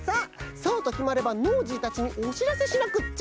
そうときまればノージーたちにおしらせしなくっちゃ。